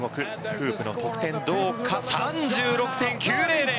フープの得点は３６．９００！